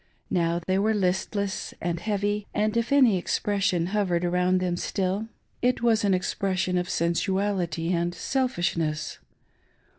Now they were listless and heavy ; and if any expression hovered around them stilly it was an expression of sensuality and selfishness.